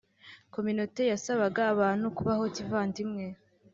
kominote yasabaga abantu kubaho kivandimwe